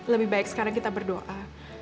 lebih baik sekarang kita berdoa